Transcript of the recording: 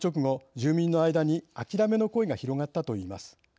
住民の間にあきらめの声が広がったといいます。